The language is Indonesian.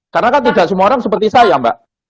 karena kan tidak semua orang seperti saya ya mbak